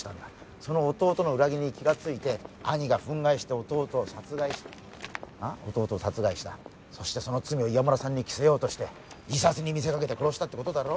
その弟の裏切りに気がついて兄が憤慨して弟を殺害弟を殺害したそしてその罪を岩村さんに着せようとして自殺に見せかけて殺したってことだろ？